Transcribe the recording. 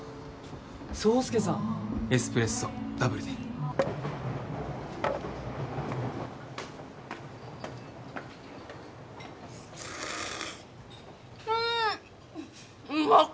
爽介さんエスプレッソダブルでうんうまか！